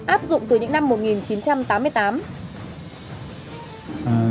áp dụng từ những năm một nghìn chín trăm tám mươi tám